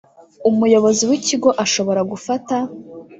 Umuyobozi w Ikigo ashobora gufata